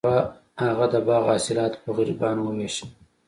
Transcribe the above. هغه د باغ حاصلات په غریبانو وویشل.